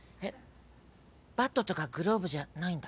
バットとかグローブじゃないんだ。